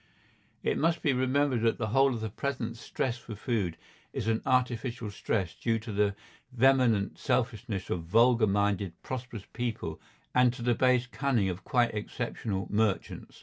It must be remembered that the whole of the present stress for food is an artificial stress due to the vehement selfishness of vulgar minded prosperous people and to the base cunning of quite exceptional merchants.